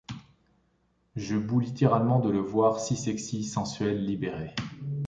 Je bous littéralement de le voir si sexy, sensuel, libéré.